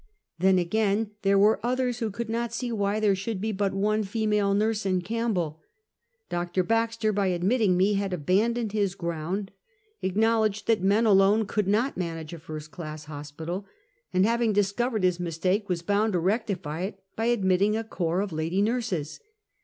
Then again, there were others who could not see why there should be but one female nurse in Campbell. Dr. Baxter, by admitting me, had abandoned his ground, acknowledged that men alone could not manage a first class hospital; and having discovered his mistake, was bound to rec tify it by admitting a corps of lady nurses.